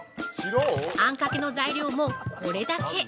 あんかけの材料も、これだけ。